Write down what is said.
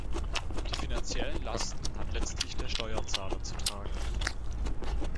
Die finanziellen Lasten hat letztlich der Steuerzahler zu tragen.